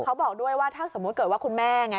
เขาบอกด้วยว่าถ้าสมมุติเกิดว่าคุณแม่ไง